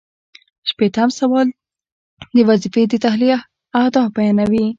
شپیتم سوال د وظیفې د تحلیل اهداف بیانوي.